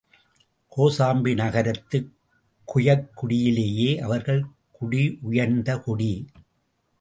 கோசாம்பி நகரத்துக் குயக்குடியிலேயே, அவர்கள் குடி உயர்ந்த குடி.